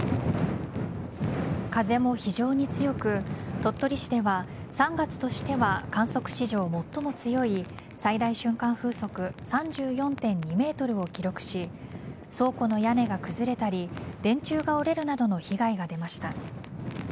風も非常に強く、鳥取市では３月としては観測史上最も強い最大瞬間風速３４．２メートルを記録し倉庫の屋根が崩れたり電柱が折れるなどの被害が出ました。